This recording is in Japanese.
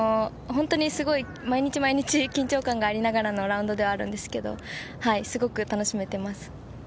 毎日毎日すごい緊張感がありながらのラウンドではあるんですけどすごく楽しめてます。